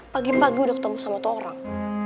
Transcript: pagi pagi udah ketemu sama tuh orang